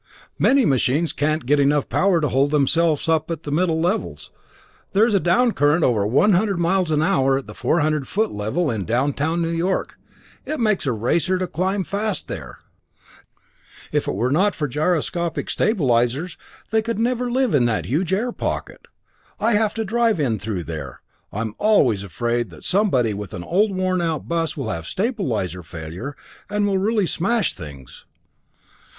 Many machines can't get enough power to hold themselves up at the middle levels; there is a down current over one hundred miles an hour at the 400 foot level in downtown New York. It takes a racer to climb fast there! "If it were not for gyroscopic stabilizers, they could never live in that huge airpocket. I have to drive in through there. I'm always afraid that somebody with an old worn out bus will have stabilizer failure and will really smash things."